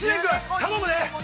頼むね！